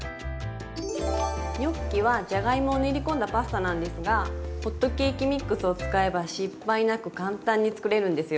ニョッキはじゃがいもを練り込んだパスタなんですがホットケーキミックスを使えば失敗なく簡単に作れるんですよ。